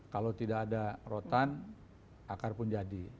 kalau tidak ada rotan akar pun jadi